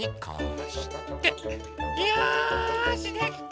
よしできた！